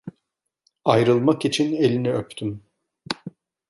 Ayrılmak için elini öptüm.